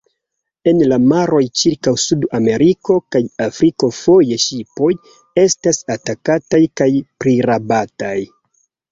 En la maroj ĉirkaŭ Sud-Ameriko kaj Afriko foje ŝipoj estas atakataj kaj prirabataj.